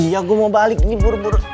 iya gua mau balik ini buru buru